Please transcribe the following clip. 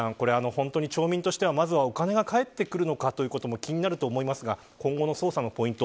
本当に町民としてはまずはお金が返ってくるのかということも気になりますが今後の捜査のポイント